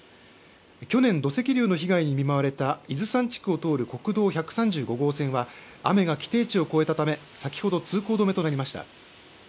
去年、土石流の被害に見舞われた伊豆山地区を通る国道１３５号線は雨が規定値を超えたため先ほど通行止めとなりました。